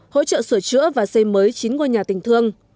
hỗ trợ sửa chữa và xây mới chín ngôi nhà tình thương